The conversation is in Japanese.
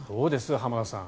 浜田さん